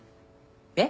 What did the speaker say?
えっ？